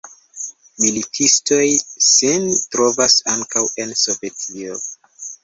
Militistoj sin trovas ankaŭ en Sovetio.